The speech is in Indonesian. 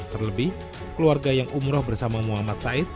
terlebih keluarga yang umroh bersama muhammad said